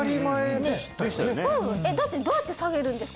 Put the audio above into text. でしたよねだってどうやって下げるんですか？